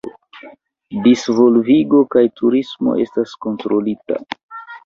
Disvolvigo kaj turismo estas kontrolita.